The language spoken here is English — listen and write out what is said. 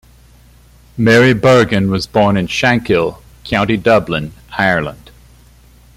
Mary Bergin was born in Shankill, County Dublin, Ireland.